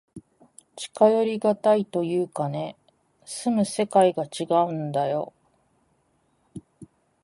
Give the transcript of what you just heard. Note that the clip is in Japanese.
近寄りがたいというかね、住む世界がちがうんだよ。